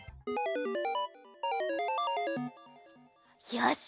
よし！